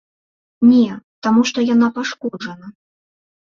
Не, таму што яна пашкоджана.